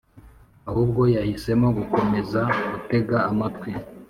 ahubwo yahisemo gukomeza gutega amatwi